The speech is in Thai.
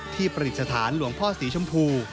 ประดิษฐานหลวงพ่อสีชมพู